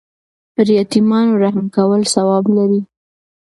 پر یتیمانو رحم کول ثواب لري.